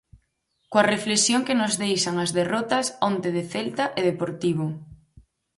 Coa reflexión que nos deixan as derrotas onte de Celta e Deportivo.